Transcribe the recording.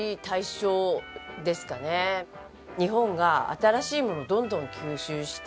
日本が新しいものをどんどん吸収して。